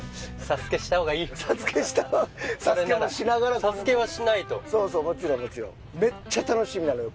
ＳＡＳＵＫＥもしながらこれもねＳＡＳＵＫＥはしないとそうそうもちろんもちろんめっちゃ楽しみなのよ